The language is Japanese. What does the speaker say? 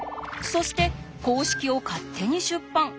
そして公式を勝手に出版。